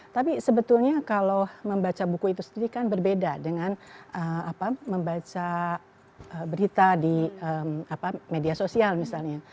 tapi sebetulnya kalau membaca buku itu sendiri kan berbeda dengan membaca berita di media sosial misalnya